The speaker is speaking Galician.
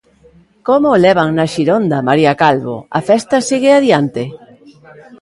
Como o levan na Xironda, María Calvo, a festa segue adiante?